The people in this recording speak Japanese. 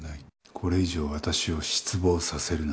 これ以上、私を失望させるな。